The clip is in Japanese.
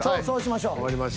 そうしましょう。